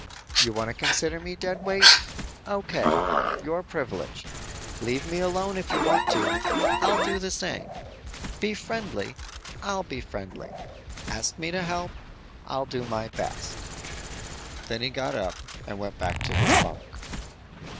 You want to consider me dead weight? O.K., your privilege. Leave me alone if you want to, I'll do the same. Be friendly, I'll be friendly. Ask me to help. I'll do my best." Then he got up and went back to his bunk.